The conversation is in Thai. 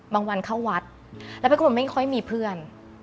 บางวันเข้าวัดแล้วไปกับผมไม่ค่อยมีเพื่อน